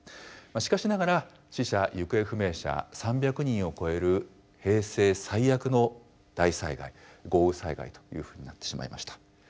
しかしながら死者行方不明者３００人を超える平成最悪の大災害豪雨災害というふうになってしまいました。